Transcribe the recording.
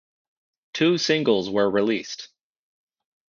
Two singles were released.